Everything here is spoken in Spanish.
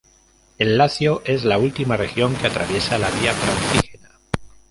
El Lacio es la última región que atraviesa la Vía Francígena.